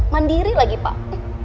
mandiri lagi pak